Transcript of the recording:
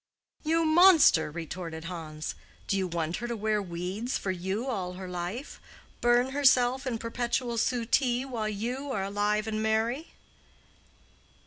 "You monster!" retorted Hans, "do you want her to wear weeds for you all her life—burn herself in perpetual suttee while you are alive and merry?"